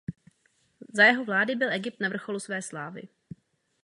Za jeho vlády byl Egypt na vrcholu své slávy.